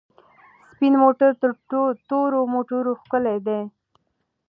سپین موټر تر تورو موټرو ښکلی دی.